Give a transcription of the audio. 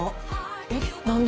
えっ何で？